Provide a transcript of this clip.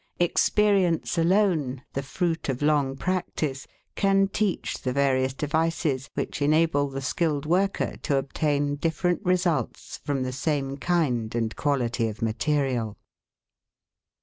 Experience alone — the fruit of long practice — can teach the various devices which enable the skilled worker to obtain different results from the same kind and quality of material.